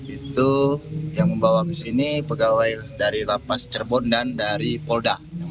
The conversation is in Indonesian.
itu yang membawa ke sini pegawai dari lapas cirebon dan dari polda